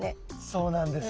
そうなんですね。